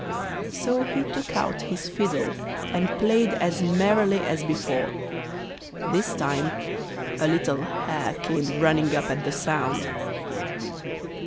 So he took out his fiddle and played as merrily as before. This time a little hare came running up at the sound.